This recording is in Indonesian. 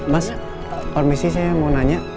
mas permisi saya mau nanya